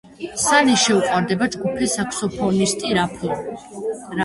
სანის შეუყვარდება ჯგუფის საქსოფონისტი რალფი.